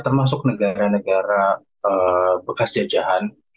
termasuk negara negara bekas jajahan